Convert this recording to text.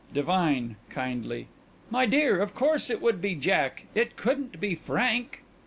DIVINE: (Kindly) My dear, of course, it would be Jack. It couldn't be Frank.